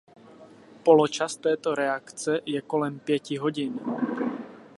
Poločas této reakce je kolem pěti hodin.